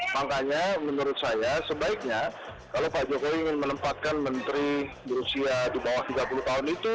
makanya menurut saya sebaiknya kalau pak jokowi ingin menempatkan menteri berusia di bawah tiga puluh tahun itu